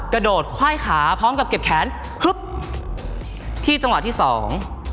กระโดดคว่ายขาพร้อมกับเก็บแขนที่จังหวัดที่สอง